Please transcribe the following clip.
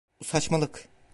Bu saçmalık!